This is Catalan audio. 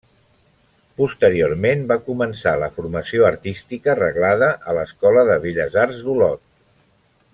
Posteriorment, va començar la formació artística reglada a l'Escola de Belles Arts d'Olot.